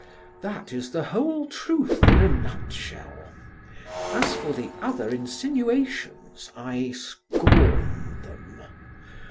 That is the whole truth in a nutshell. As for the other insinuations I scorn them.